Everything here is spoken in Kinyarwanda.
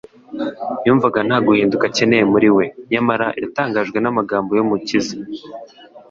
Yumvaga nta guhinduka akeneye muri we. Nyamara yatangajwe n’amagambo y’Umukiza